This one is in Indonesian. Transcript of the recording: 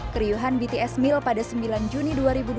keriuhan bts meal pada sembilan juni dua ribu dua puluh